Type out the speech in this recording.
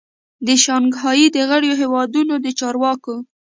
د شانګهای د غړیو هیوادو د چارواکو